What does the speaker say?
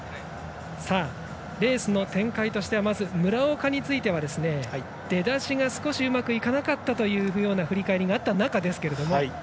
レースの展開としては村岡については出だしが少しうまくいかなかったという振り返りがあった中ですが。